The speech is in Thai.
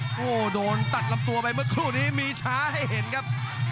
โอ้โหโดนตัดลำตัวไปเมื่อครู่นี้มีช้าให้เห็นครับ